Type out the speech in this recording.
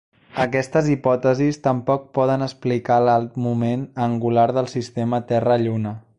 Aquestes hipòtesis tampoc poden explicar l'alt moment angular del sistema Terra-Lluna.